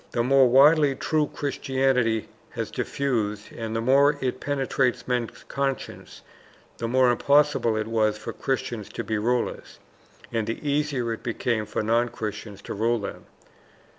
The more widely true Christianity was diffused and the more it penetrated men's conscience, the more impossible it was for Christians to be rulers, and the easier it became for non Christians to rule them.